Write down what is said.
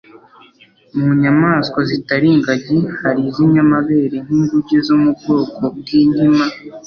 Mu nyamaswa zitari ingagi hari iz'inyamabere nk'inguge zo mu bwoko bw'inkima,